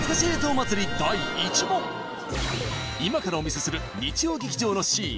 今からお見せする日曜劇場のシーン